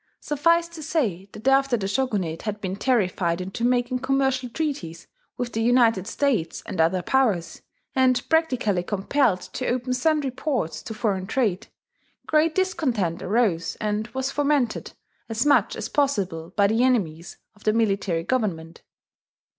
Suffice to say that after the Shogunate had been terrified into making commercial treaties with the United States and other powers, and practically compelled to open sundry ports to foreign trade, great discontent arose and was fomented as much as possible by the enemies of the military government.